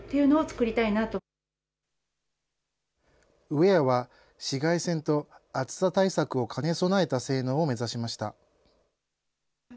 ウエアは紫外線と暑さ対策を兼ね備えた性能を目指しました。